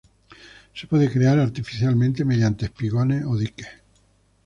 Se puede crear artificialmente mediante espigones o diques.